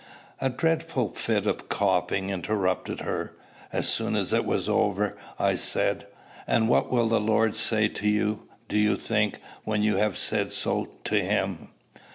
A dreadful fit of coughing interrupted her. As soon as it was over, I said, "And what will the Lord say to you, do you think, when you have said so to him?"